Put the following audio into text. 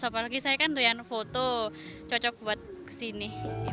apalagi saya kan doyan foto cocok buat kesini